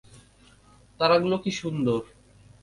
তারাগুলো কি সুন্দর!